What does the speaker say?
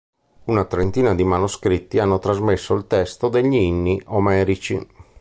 Una trentina di manoscritti hanno trasmesso il testo degli "Inni Omerici".